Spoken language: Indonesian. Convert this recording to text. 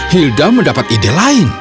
hilda mendapat ide lain